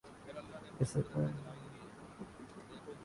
اسے پڑھ کر میری وہ رائے بنی جس کا